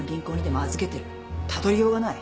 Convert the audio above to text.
たどりようがない。